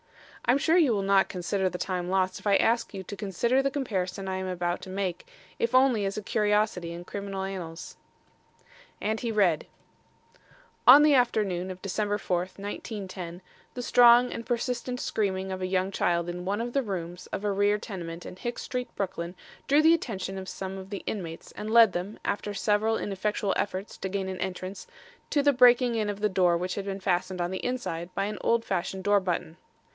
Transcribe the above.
"I'm sure you will not consider the time lost if I ask you to consider the comparison I am about to make, if only as a curiosity in criminal annals." And he read: "'On the afternoon of December Fourth, 1910, the strong and persistent screaming of a young child in one of the rooms of a rear tenement in Hicks Street, Brooklyn, drew the attention of some of the inmates and led them, after several ineffectual efforts to gain an entrance, to the breaking in of the door which had been fastened on the inside by an old fashioned door button.